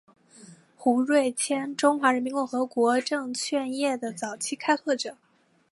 胡瑞荃中华人民共和国证券业的早期开拓者。